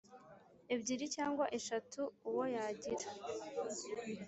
Ebyiri cyangwa eshatu uwo yagira